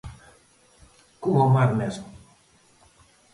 Coma o mar mesmo.